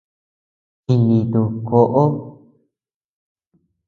Chinditu koʼo.